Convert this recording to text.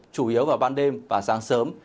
chủ yếu vào ban đêm và sáng sớm